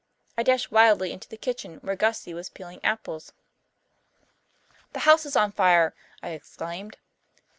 I dashed wildly into the kitchen, where Gussie was peeling apples. "The house is on fire," I exclaimed.